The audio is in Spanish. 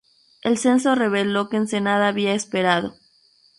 El censo reveló que Ensenada había esperado.